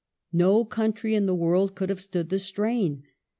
^ No country in the world could have stood the strain.